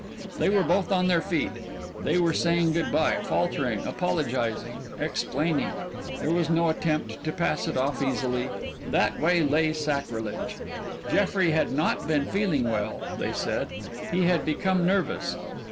They were both on their feet, they were saying good by, faltering, apologizing, explaining. There was no attempt to pass it off easily. That way lay sacrilege. Jeffrey had not been feeling well, they said. He had become nervous.